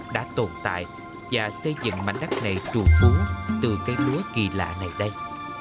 đã tồn tại và xây dựng mảnh đất này trùm phú từ cái lúa kỳ lạ này đây